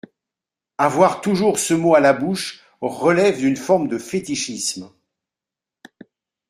Avoir toujours ce mot à la bouche relève d’une forme de fétichisme.